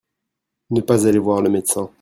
Ne pas aller voir le médecin.